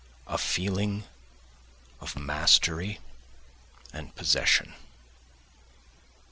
a feeling of mastery and possession.